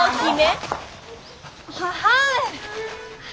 はい。